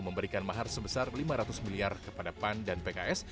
memberikan mahar sebesar lima ratus miliar kepada pan dan pks